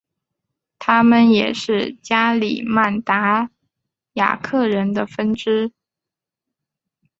他们也是加里曼丹达雅克人的分支。